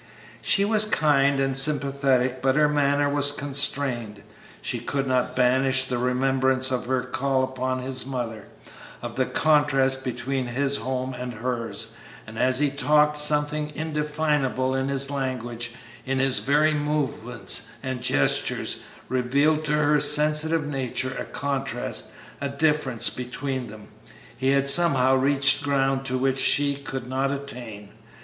She was kind and sympathetic, but her manner was constrained. She could not banish the remembrance of her call upon his mother, of the contrast between his home and hers; and as he talked something indefinable in his language, in his very movements and gestures, revealed to her sensitive nature a contrast, a difference, between them; he had somehow reached ground to which she could not attain.